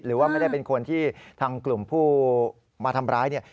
หรือว่าไม่ได้เป็นคนที่ทางกลุ่มผู้มาทำร้ายเนี่ย